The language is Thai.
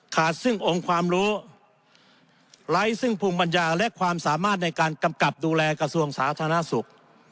ซึ่งองค์ความรู้ไร้ซึ่งภูมิปัญญาและความสามารถในการกำกับดูแลกระทรวงสาธารณสุข